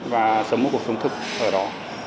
và sống một cuộc sống thực ở đó